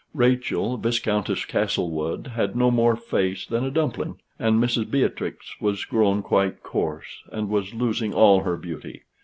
Rachel, Viscountess Castlewood, had no more face than a dumpling, and Mrs. Beatrix was grown quite coarse, and was losing all her beauty.